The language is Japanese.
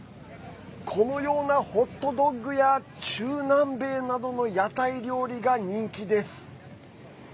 このようなホットドッグや中南米などの屋台料理が人気です。